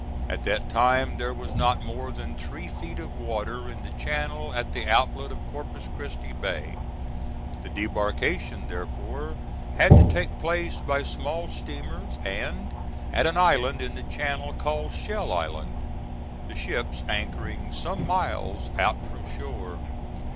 At that time there was not more than three feet of water in the channel at the outlet of Corpus Christi Bay; the debarkation, therefore, had to take place by small steamers, and at an island in the channel called Shell Island, the ships anchoring some miles out from shore.